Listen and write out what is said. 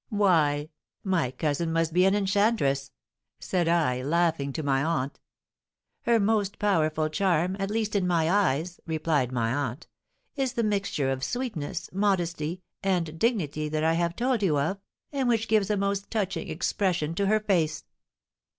'" "Why, my cousin must be an enchantress!" said I, laughing, to my aunt. "Her most powerful charm, at least in my eyes," replied my aunt, "is the mixture of sweetness, modesty, and dignity that I have told you of, and which gives a most touching expression to her face."